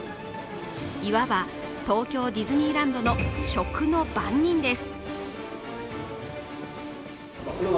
いわば、東京ディズニーランドの食の番人です。